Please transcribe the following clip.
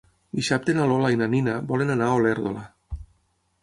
Dissabte na Lola i na Nina volen anar a Olèrdola.